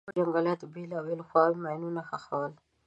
د دغو جنګونو بېلابېلو خواوو ماینونه ښخول.